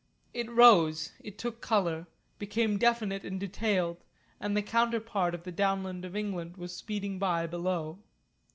It rose, it took colour, became definite and detailed, and the counterpart of the Downland of England was speeding by below.